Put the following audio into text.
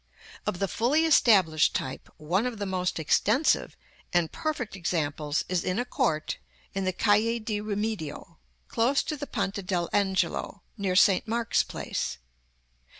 Of the fully established type, one of the most extensive and perfect examples is in a court in the Calle di Rimedio, close to the Ponte dell' Angelo, near St. Mark's Place.